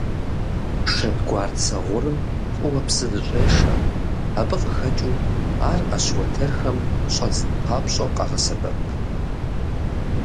Шэдгуарцэ гъурым фӀыуэ псы зэщӀешэ, абы къыхэкӀыу ар Ӏэщ уэтэрхэм щӀэдзын папщӀэу къыщагъэсэбэп.